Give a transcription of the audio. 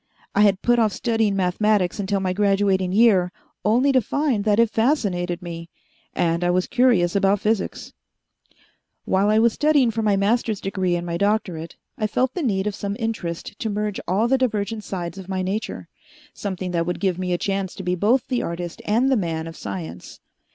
I had put off studying mathematics until my graduating year, only to find that it fascinated me. And I was curious about physics. "While I was studying for my Master's degree and my Doctorate, I felt the need of some interest to merge all the divergent sides of my nature. Something that would give me a chance to be both the artist and the man of science.